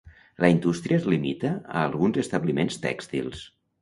La indústria es limita a alguns establiments tèxtils.